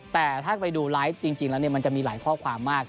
แต่ถ้าไปดูไลฟ์จริงแล้วมันจะมีหลายข้อความมาก